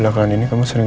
kapanpun aku mau